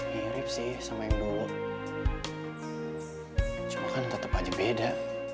mirip sih sama yang dulu cuma kan tetap aja beda